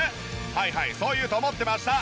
はいはいそう言うと思ってました。